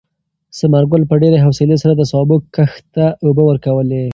ثمر ګل په ډېرې حوصلې سره د سابو کښت ته اوبه ورکولې.